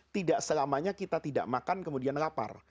tidak selamanya kita tidak makan kemudian lapar